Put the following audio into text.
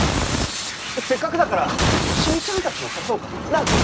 あっせっかくだから好美ちゃんたちも誘おうか！なあ？